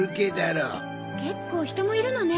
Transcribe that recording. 結構人もいるのね。